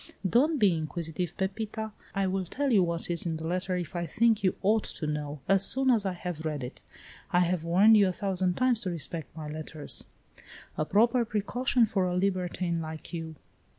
"Don't be inquisitive, Pepita. I will tell you what is in the letter, if I think you ought to know, as soon as I have read it. I have warned you a thousand times to respect my letters." "A proper precaution for a libertine like you!